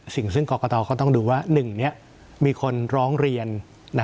สิ่งซึ่งกรกตเขาต้องดูว่า๑นี้มีคนร้องเรียน